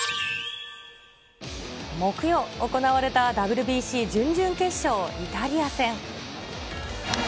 木曜行われたＷＢＣ準々決勝、イタリア戦。